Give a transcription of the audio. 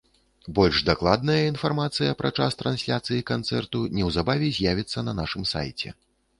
Больш дакладная інфармацыя пра час трансляцыі канцэрту неўзабаве з'явіцца на нашым сайце.